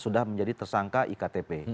sudah menjadi tersangka iktp